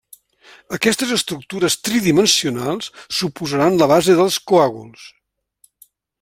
Aquestes estructures tridimensionals suposaran la base dels coàguls.